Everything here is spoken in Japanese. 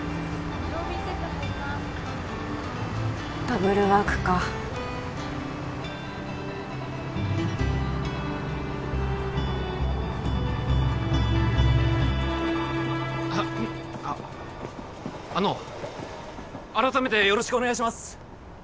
ダブルワークかあっあっあの改めてよろしくお願いします！